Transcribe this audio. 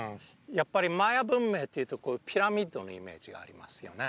やっぱりマヤ文明っていうとこうピラミッドのイメージがありますよね